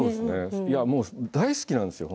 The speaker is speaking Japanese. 大好きなんですよ。